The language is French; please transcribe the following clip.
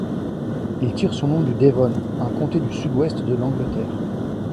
Il tire son nom du Devon, un comté du sud-ouest de l'Angleterre.